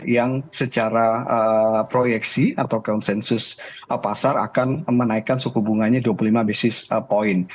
yang secara proyeksi atau konsensus pasar akan menaikkan suku bunganya dua puluh lima basis point